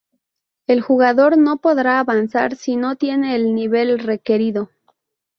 El jugador no podrá avanzar si no tiene el nivel requerido.